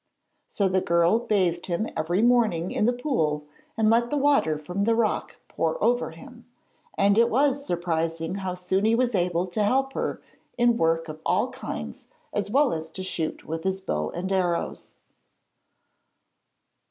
So the girl bathed him every morning in the pool and let the water from the rock pour over him, and it was surprising how soon he was able to help her in work of all kinds as well as to shoot with his bow and arrows.